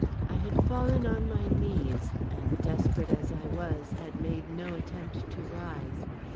I had fallen on my knees, and desperate as I was, had made no attempt to rise.